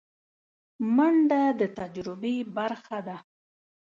منډه د تجربې برخه ده